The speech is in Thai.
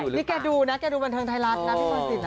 นี่แกดูนะแกดูบันเทิงไทยรัฐนะพี่มนศิษ